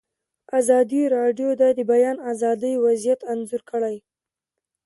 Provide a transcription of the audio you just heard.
ازادي راډیو د د بیان آزادي وضعیت انځور کړی.